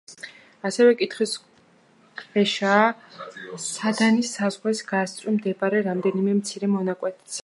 ასევე კითხვის ქვეშაა სუდანის საზღვრის გასწვრივ მდებარე რამდენიმე მცირე მონაკვეთიც.